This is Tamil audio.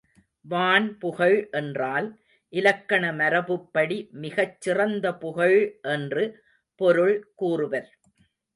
வான்புகழ் என்றால் இலக்கண மரபுப்படி மிகச் சிறந்த புகழ் என்று பொருள் கூறுவர்.